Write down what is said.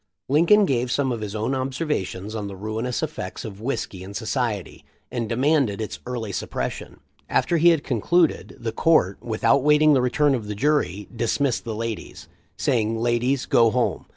Linciln gave some of his own observations on the ruinous 344 THE LIFE OF LINCOLN. effects of whiskey in society, and demanded its early suppression. After he had concluded, the Court, without awaiting the return of the jury, dismissed the ladies, saying: "Ladies, go home.